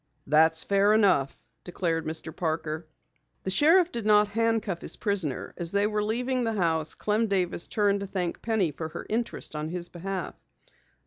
"That's fair enough," declared Mr. Parker. The sheriff did not handcuff his prisoner. As they were leaving the house, Clem Davis turned to thank Penny for her interest in his behalf.